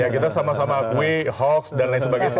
ya kita sama sama kuih hoax dan lain sebagainya